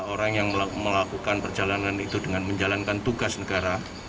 orang yang melakukan perjalanan itu dengan menjalankan tugas negara